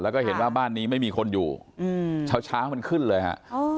แล้วก็เห็นว่าบ้านนี้ไม่มีคนอยู่เช้ามันขึ้นเลยฮะ